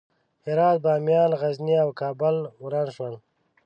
هرات، بامیان، غزني او کابل وران شول.